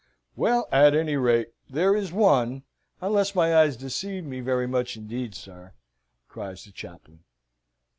"Well, at any rate, there is one, unless my eyes deceive me very much indeed, sir!" cries the chaplain.